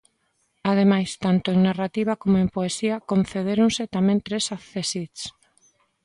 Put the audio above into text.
Ademais, tanto en narrativa como en poesía, concedéronse tamén tres accésits.